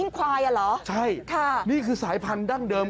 เป็นสายพันธุ์ดั้งเดิม